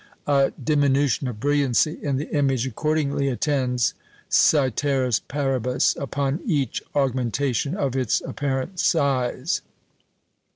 A diminution of brilliancy in the image accordingly attends, coeteris paribus, upon each augmentation of its apparent size.